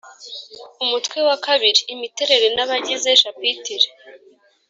umutwe wa kabiri imiterere n abagize shapitire